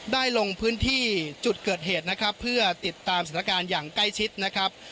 ลงพื้นที่จุดเกิดเหตุนะครับเพื่อติดตามสถานการณ์อย่างใกล้ชิดนะครับ